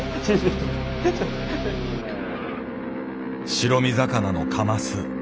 白身魚のカマス。